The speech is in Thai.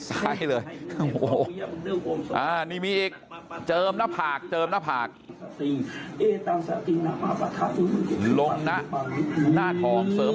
ซ้ายเลยโอ้โหนี่มีอีกเจิมหน้าผากเจิมหน้าผากลงหน้าหน้าทองเสริม